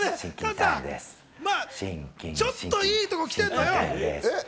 ちょっといいとこきてんのよ。